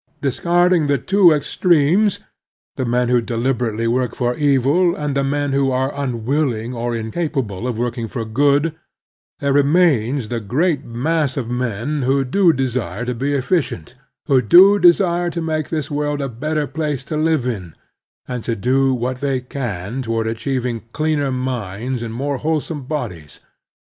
Discarding the two extremes, the men who deliberately work for evil, and the men who are unwilling or incapable of working for good, there remains the great mass of men who do desire to be efficient, who do desire to make this world a better place to live in, and to do what they can toward achieving cleaner minds and more whole some bodies.